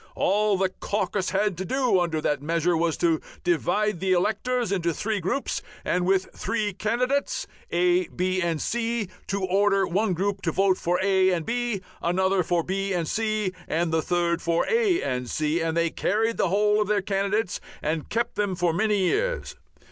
All the caucus had to do under that measure was to divide the electors into three groups and with three candidates, A., B., and C., to order one group to vote for A. and B., another for B. and C., and the third for A. and C., and they carried the whole of their candidates and kept them for many years.